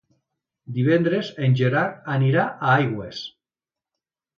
Divendres en Gerard anirà a Aigües.